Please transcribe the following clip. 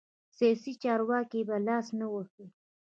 سیاسي چارو کې به لاس نه وهي.